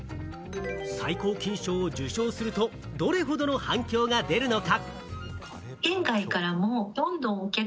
最高金賞を受賞すると、どれほどの反響が出るのか？